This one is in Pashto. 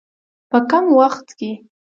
په کم وخت کې.